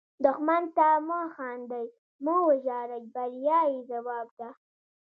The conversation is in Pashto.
دښمن ته مه خاندئ، مه وژاړئ – بریا یې ځواب ده